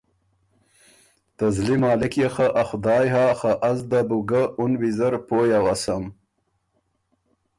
ته زلی مالک يې خه ا خدایٛ هۀ خه از ده بو ګه اُن ویزر پویٛ اوسم